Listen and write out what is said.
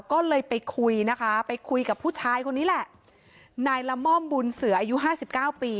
ก็เลยไปคุยนะคะไปคุยกับผู้ชายคนนี้แหละนายละม่อมบุญเสืออายุห้าสิบเก้าปี